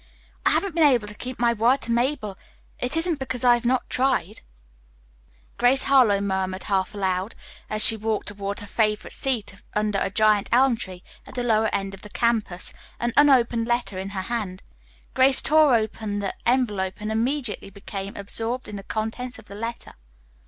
"If I haven't been able to keep my word to Mabel it isn't because I have not tried," Grace Harlowe murmured half aloud, as she walked toward her favorite seat under a giant elm at the lower end of the campus, an unopened letter in her hand. Grace tore open the envelope and immediately became absorbed in the contents of the letter.